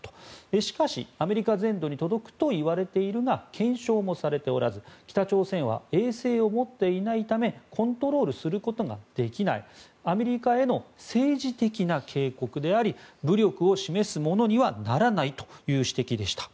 しかし、アメリカ全土に届くといわれているが検証もされておらず北朝鮮は衛星を持っていないためコントロールすることができないアメリカへの政治的な警告であり武力を示すものにはならないという指摘でした。